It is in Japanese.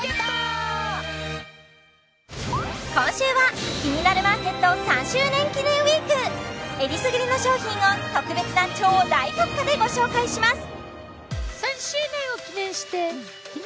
今週は「キニナルマーケット」３周年記念ウイークえりすぐりの商品を特別な超大特価でご紹介します